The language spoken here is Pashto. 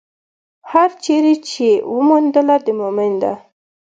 هره چېرې يې چې وموندله، د مؤمن ده.